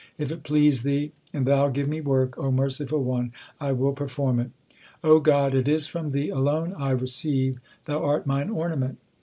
If it please Thee, and Thou give me work, O Merciful One, I will perform it. O God, it is from Thee alone I receive ; Thou art mine ornament.